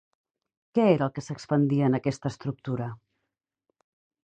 Què era el que s'expandia en aquesta estructura?